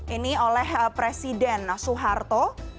ini oleh presiden soeharto